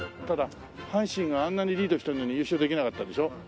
ただ阪神があんなにリードしてるのに優勝できなかったでしょ。